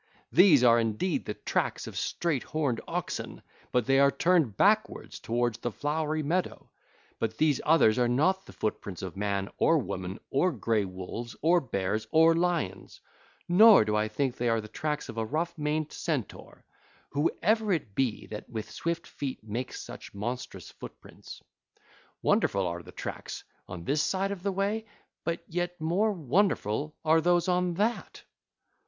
These are indeed the tracks of straight horned oxen, but they are turned backwards towards the flowery meadow. But these others are not the footprints of man or woman or grey wolves or bears or lions, nor do I think they are the tracks of a rough maned Centaur—whoever it be that with swift feet makes such monstrous footprints; wonderful are the tracks on this side of the way, but yet more wonderfully are those on that.